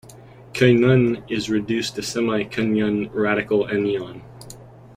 Quinone is reduced to a semiquinone radical anion.